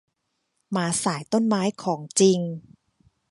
มาสายต้นไม้ของจริง